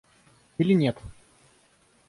Или нет?